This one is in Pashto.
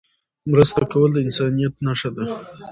مرسته کول د انسانيت نښه ده.